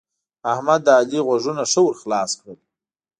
احمد؛ د علي غوږونه ښه ور خلاص کړل.